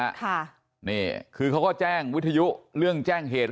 ค่ะนี่คือเขาก็แจ้งวิทยุเรื่องแจ้งเหตุ